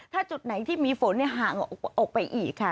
ถ้าจุดไหนที่มีฝนห่างออกไปอีกค่ะ